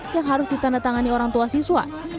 yang harus ditandatangani orang tua siswa